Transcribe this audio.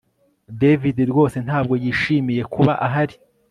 David rwose ntabwo yishimiye kuba ahari